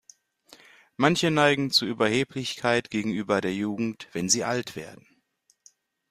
Manche neigen zu Überheblichkeit gegenüber der Jugend, wenn sie alt werden.